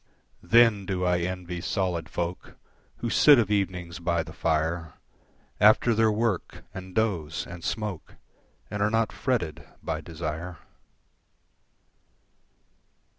Then do I envy solid folk Who sit of evenings by the fire, After their work and doze and smoke, And are not fretted by desire.